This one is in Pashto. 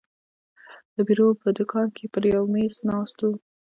د بیرو په دوکان کې پر یوه مېز ناست وو.